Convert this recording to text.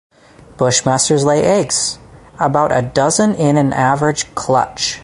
Bushmasters lay eggs: about a dozen in an average clutch.